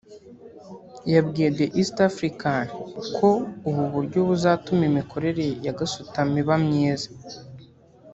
yabwiye The East African ko ubu buryo buzatuma imikorere ya gasutamo iba myiza